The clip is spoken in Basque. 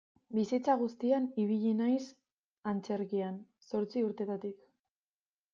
Bizitza guztian ibili naiz antzerkian, zortzi urtetatik.